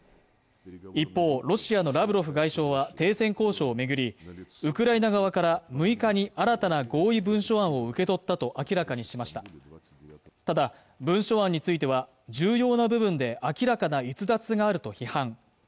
一方ロシアのラブロフ外相は停戦交渉を巡りウクライナ側から６日に新たな合意文書案を受け取ったと明らかにしましたただ文書案については重要な部分で明らかな逸脱があると批判